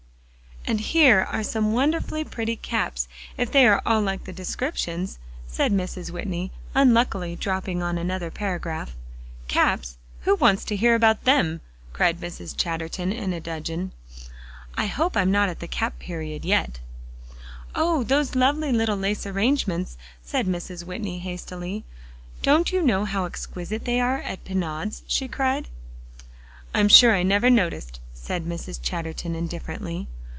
"And here are some wonderfully pretty caps, if they are all like the descriptions," said Mrs. Whitney, unluckily dropping on another paragraph. "Caps! who wants to hear about them?" cried Mrs. Chatterton in a dudgeon. "I hope I'm not at the cap period yet." "Oh! those lovely little lace arrangements," said Mrs. Whitney hastily; "don't you know how exquisite they are at Pinaud's?" she cried. "I'm sure I never noticed," said Mrs. Chatterton indifferently.